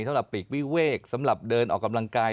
สำหรับปีกวิเวกสำหรับเดินออกกำลังกาย